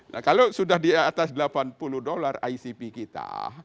nah kalau sudah di atas delapan puluh dolar icp kita